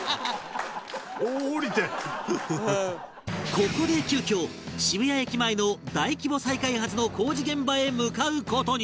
ここで急遽渋谷駅前の大規模再開発の工事現場へ向かう事に